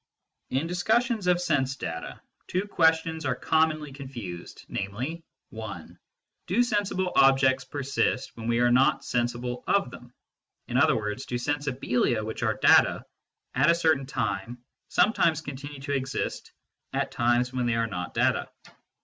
In discussions on sense data, two questions are com monly confused, namely : (i) Do sensible objects persist when we are not sensible of them ? in other words, do sensibilia which are data at a certain time some times continue to exist at times when they are not data